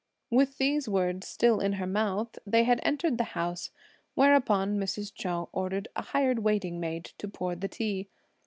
With these words still in her mouth, they had entered the house, whereupon Mrs. Chou ordered a hired waiting maid to pour the tea.